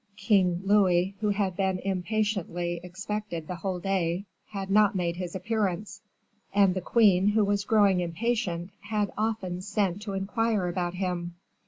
King Louis, who had been impatiently expected the whole day, had not made his appearance; and the queen, who was growing impatient, had often sent to inquire about him.